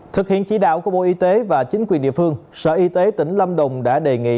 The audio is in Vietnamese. thực hiện chỉ đạo của bộ y tế và chính quyền địa phương sở y tế tỉnh lâm đồng đã đề nghị